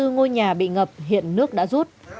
bốn trăm hai mươi bốn ngôi nhà bị ngập hiện nước đã rút